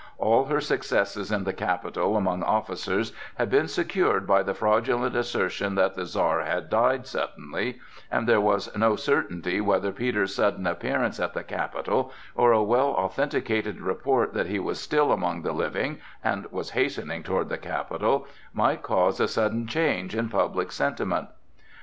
All her successes in the capital among officers had been secured by the fraudulent assertion that the Czar had died suddenly, and there was no certainty whether Peter's sudden appearance at the capital, or a well authenticated report that he was still among the living and was hastening toward the capital, might cause a sudden change in public sentiment.